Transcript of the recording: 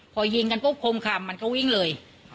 พอยิงไม่ได้ขอมคามมันก็วิ่งเลย